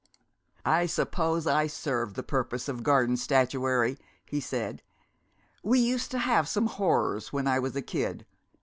"I suppose I serve the purpose of garden statuary," he said. "We used to have some horrors when I was a kid.